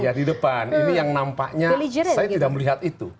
iya di depan ini yang nampaknya saya tidak melihat itu